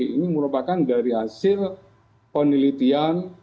ini merupakan dari hasil penelitian